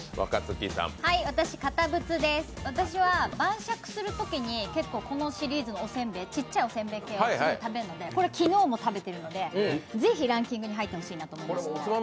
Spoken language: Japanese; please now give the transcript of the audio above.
私は晩酌するときに、結構このシリーズのちっちゃいお煎餅系すごい食べるのでこれ昨日も食べてるのでぜひランキングに入ってほしいなと。